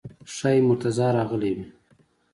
ښایي مرتضی راغلی وي.